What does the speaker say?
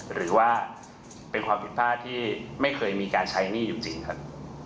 หรือว่าเป็นความผิดพลาดที่ไม่เคยมีการใช้หนี้อยู่จริงครับ